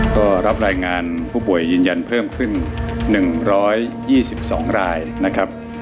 ก็รับรายงานผู้ป่วยยืนยันเพิ่มขึ้น๑๒๒รายนะครับ